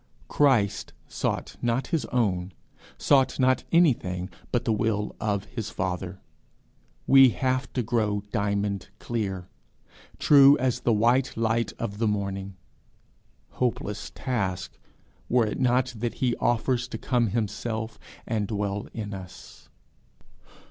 Christ sought not his own, sought not anything but the will of his Father: we have to grow diamond clear, true as the white light of the morning. Hopeless task! were it not that he offers to come himself, and dwell in us.